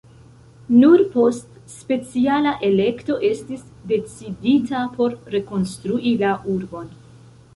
Nur post speciala elekto estis decidita por rekonstrui la urbon.